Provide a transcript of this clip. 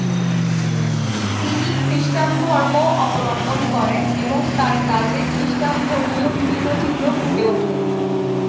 তিনি খ্রিস্টান ধর্ম অবলম্বন করেন এবং তার কাজে খ্রিস্টান ধর্মীয় বিভিন্ন চিত্র ফুটে ওঠে।